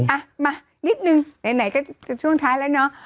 อ่ะมานิดนึงไหนก็จะช่วงท้ายแล้วเนาะ